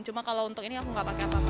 cuma kalau untuk ini aku nggak pakai apa apa